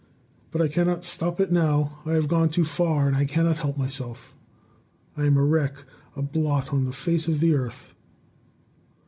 "But I cannot stop it now. I have gone too far, and I cannot help myself. I am a wreck, a blot on the face of the earth."